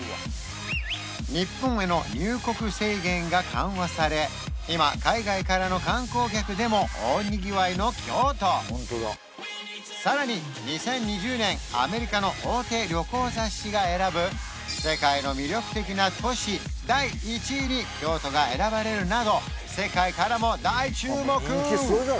日本への入国制限が緩和され今海外からの観光客でも大にぎわいの京都さらに２０２０年アメリカの大手旅行雑誌が選ぶに京都が選ばれるなど世界からも大注目！